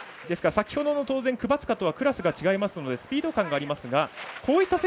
ですから、先ほどのクバツカとはクラスが違いますのでスピード感が違います。